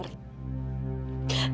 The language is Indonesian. dan erik adalah kamu vin